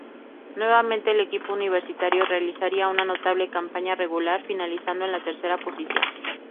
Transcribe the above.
Nuevamente el equipo universitario realizaría una notable campaña regular, finalizando en la tercera posición.